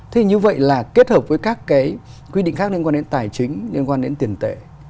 thế như vậy là kết hợp với các cái quy định khác liên quan đến tài chính liên quan đến tiền tệ